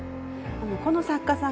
この作家さん